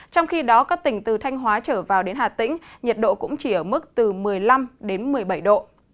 trong khi đó các tỉnh từ thanh hóa trở vào đến hà tĩnh nhiệt độ cũng chỉ ở mức từ một mươi năm đến một mươi bảy độ